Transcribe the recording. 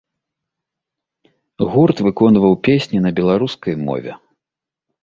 Гурт выконваў песні на беларускай мове.